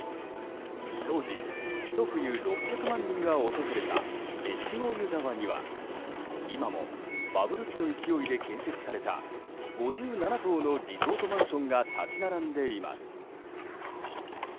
当時、ひと冬６００万人が訪れた越後湯沢には今もバブル期の勢いで建設された５７棟のリゾートマンションが立ち並んでいます。